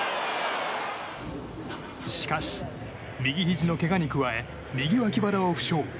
しかし右ひじのけがに加え右脇腹を負傷。